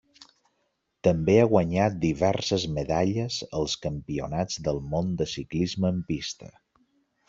També ha guanyat diverses medalles als Campionats del Món de Ciclisme en pista.